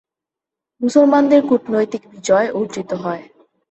মুসলমানদের কূটনৈতিক বিজয় অর্জিত হয়।